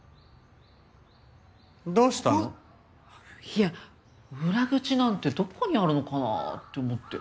いや裏口なんてどこにあるのかなって思って。